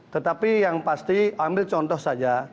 tetapi yang pasti ambil contoh saja